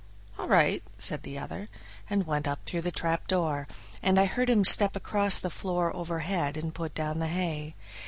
"All right," said the other, and went up through the trapdoor; and I heard him step across the floor overhead and put down the hay.